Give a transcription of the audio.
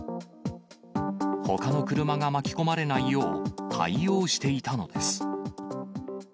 ほかの車が巻き込まれないよう、対応していたのです。